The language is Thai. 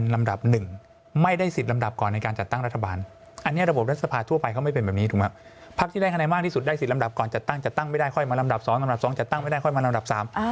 ลำดับสองลำดับสองจัดตั้งไม่ได้ค่อยมาลำดับสาม